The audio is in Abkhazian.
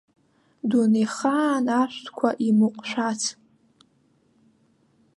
Дунеихаан ашәҭқәа имыҟәшәац.